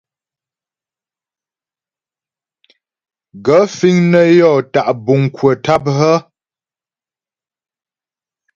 Gaə̂ fíŋ nə́ yɔ́ tá' buŋ kwə̀ tâp hə́ ?